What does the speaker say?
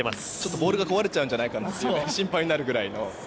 ボールが壊れちゃうんじゃないかって心配になるぐらいですね。